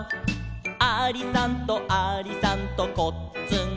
「ありさんとありさんとこっつんこ」